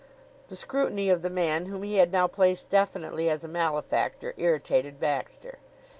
The scrutiny of the man whom he had now placed definitely as a malefactor irritated Baxter.